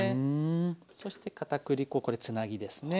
そしてかたくり粉これつなぎですね。